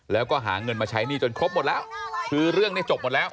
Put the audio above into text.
แล้วก็หาเงินมาใช้หนี้จนครบหมดแล้วคือเรื่องนี้จบหมดแล้ว